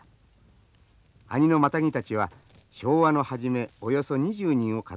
阿仁のマタギたちは昭和の初めおよそ２０人を数えていました。